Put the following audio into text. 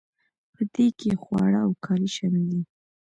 په دې کې خواړه او کالي شامل دي.